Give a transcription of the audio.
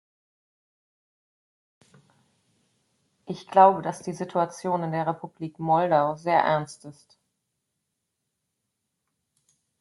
Ich glaube, dass die Situation in der Republik Moldau sehr ernst ist.